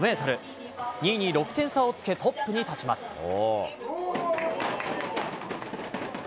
２位に６点差をつけトップに立ちます。